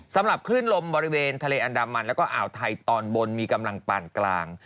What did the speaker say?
สำหรับคลื่นลมบริเวณทะเลอันดามันแล้วก็อ่าวไทยตอนบนมีกำลังปานกลาง